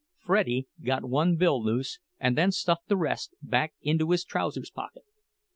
"Freddie" got one bill loose, and then stuffed the rest back into his trousers' pocket.